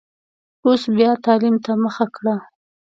اوس بیا تعلیم ته مخه کړه.